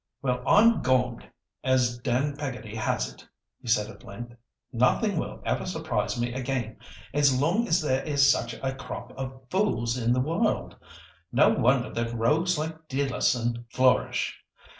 "'Well I'm gormed!' as Dan Peggotty has it!" he said at length. "Nothing will ever surprise me again as long as there is such a crop of fools in the world—no wonder that rogues like Dealerson flourish!